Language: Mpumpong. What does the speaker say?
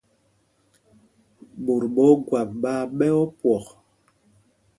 Ɓot ɓɛ̄ Ogwáp ɓaa ɓɛ̌ ópwɔk.